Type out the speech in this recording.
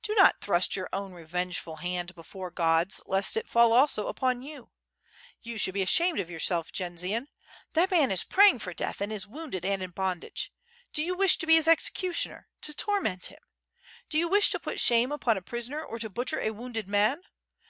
Do not thrust your own revengeful hand before God's lest it fall also upon you. You should be ashamed of yourself, Jendzian! That man is praying for death and is wounded and in bondage. Do you wish to be his execu tioner, to torment him? do you wish to put shame upon a prisoner, or to butcher a wounded man?